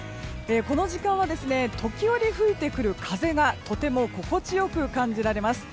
この時間は時折、吹いてくる風がとても心地良く感じられます。